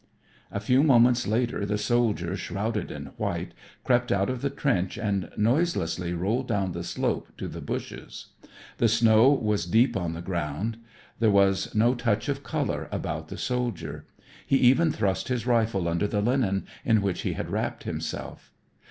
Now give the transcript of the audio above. A few moments later the soldier shrouded in white crept out of the trench and noiselessly rolled down the slope to the bushes. The snow was deep on the ground. There was no touch of color about the soldier. He even thrust his rifle under the linen in which he had wrapped himself.